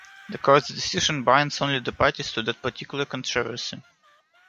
The Court's decision binds only the parties to that particular controversy.